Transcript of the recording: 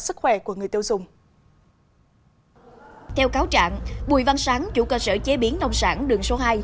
sức khỏe của người tiêu dùng theo cáo trạng bùi văn sáng chủ cơ sở chế biến nông sản đường số hai